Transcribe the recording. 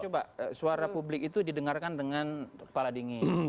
coba suara publik itu didengarkan dengan kepala dingin